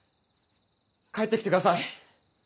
帰って来てください。